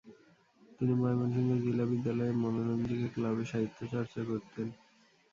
তিনি ময়মনসিংহ জিলা বিদ্যালয়ে 'মনোরঞ্জিকা ক্লাব'-এ সাহিত্য চর্চা করতেন।